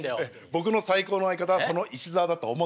僕の最高の相方はこの石沢だと思っている。